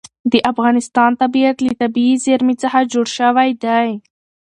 د افغانستان طبیعت له طبیعي زیرمې څخه جوړ شوی دی.